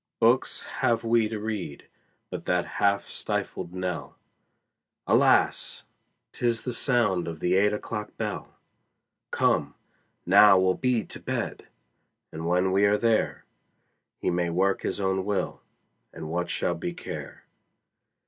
Books have we to read, but that half stifled knell, Alas! 'tis the sound of the eight o'clock bell. Come, now we'll to bed! and when we are there He may work his own will, and what shall be care?